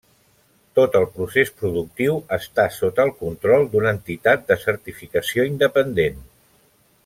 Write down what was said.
Tot el procés productiu està sota el control d'una entitat de certificació independent.